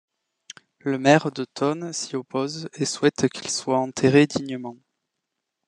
Le maire de Thônes s'y oppose et souhaite qu'ils soient enterrés dignement.